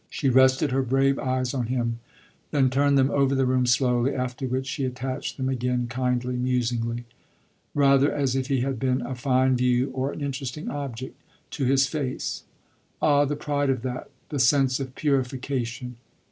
She rested her brave eyes on him, then turned them over the room slowly; after which she attached them again, kindly, musingly rather as if he had been a fine view or an interesting object to his face. "Ah, the pride of that the sense of purification!